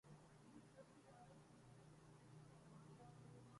stock market میں مثبت رجحانات سرماریہ کاروں کے اعتماد کے عکاس ہیں مشیر خزانہ